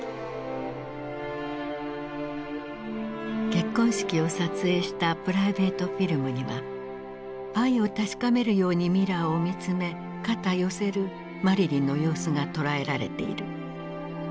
結婚式を撮影したプライベートフィルムには愛を確かめるようにミラーを見つめ肩寄せるマリリンの様子がとらえられている。